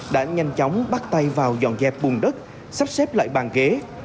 đã nhanh chóng bắt tay vào dọn dẹp bùn đất sắp xếp lại bàn ghế